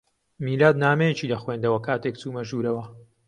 میلاد نامەیەکی دەخوێندەوە کاتێک چوومە ژوورەوە.